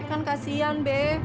kan kasian be